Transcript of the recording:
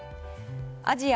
アジア